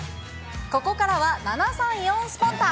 ここからは７３４スポンタっ！